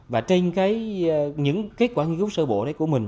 và trên những kết quả nghiên cứu sơ bộ đấy của mình